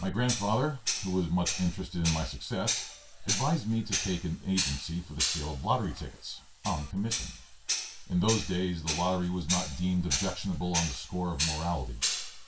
My grandfather, who was much interested in my success, advised me to take an agency for the sale of lottery tickets, on commission. In those days, the lottery was not deemed objectionable on the score of morality.